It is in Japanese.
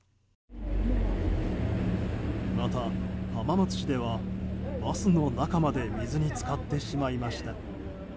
また、浜松市ではバスの中まで水に浸かってしまいました。